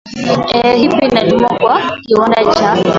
ee hii pia inatumiwa na kiwanda cha